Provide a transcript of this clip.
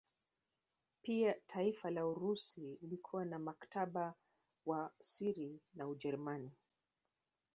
Pia taifa la Urusi lilikuwa na mkataba wa siri na Ujerumani